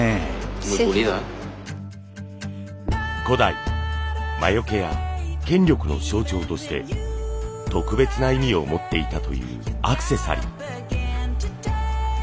古代魔よけや権力の象徴として特別な意味を持っていたというアクセサリー。